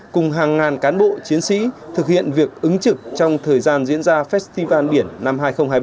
cùng hàng ngàn cán bộ chiến sĩ thực hiện việc ứng trực trong thời gian diễn ra festival biển năm hai nghìn hai mươi ba